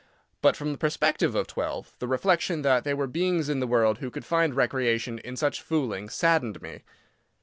But from the perspective of twelve, the reflection that there were beings in the world who could find recreation in such fooling saddened me.